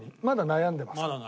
まだ悩んでますか？